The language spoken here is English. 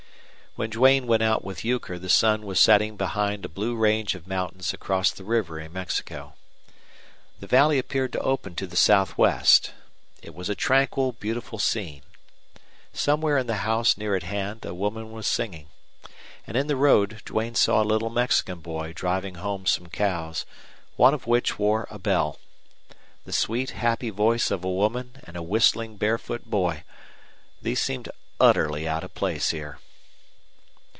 When Duane went out with Euchre the sun was setting behind a blue range of mountains across the river in Mexico. The valley appeared to open to the southwest. It was a tranquil, beautiful scene. Somewhere in a house near at hand a woman was singing. And in the road Duane saw a little Mexican boy driving home some cows, one of which wore a bell. The sweet, happy voice of a woman and a whistling barefoot boy these seemed utterly out of place here.